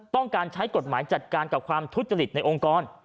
ต้องการใช้กฎหมายจัดการกับความทุจริตในองค์กร